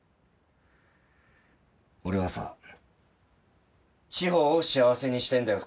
俺はさ千穂を幸せにしたいんだよ！